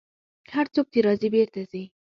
هر څوک چې راځي، بېرته ځي.